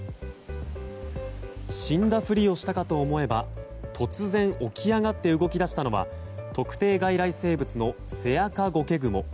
死んだふりをしたかと思えば突然、起き上がって動き出したのは特定外来生物のセアカゴケグモ。